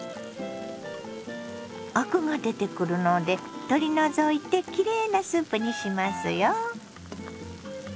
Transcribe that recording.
アクが出てくるので取り除いてきれいなスープにしますよ。